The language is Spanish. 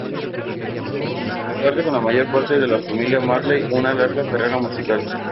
Comparte con la mayor parte de la familia Marley una larga carrera musical.